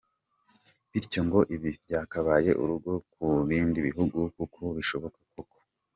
Bityo ngo ibi byakabaye urugero ku bindi bihugu kuko bishoboka koko.